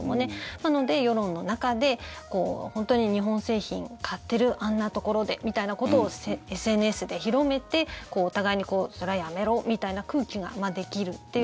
なので、世論の中で本当に日本製品買ってるあんなところでみたいなことをＳＮＳで広めてお互いに、それはやめろみたいな空気ができるっていう。